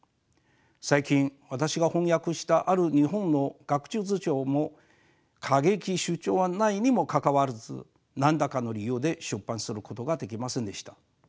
最近私が翻訳したある日本の学術書も過激な主張はないにもかかわらず何らかの理由で出版することができませんでした。